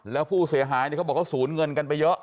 แล้วผู้เสียหายเขาบอกเขาสูญเงินกันไปเยอะ